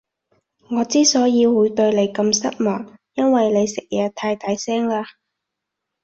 我之所以會對你咁失望，因為你食嘢太大聲喇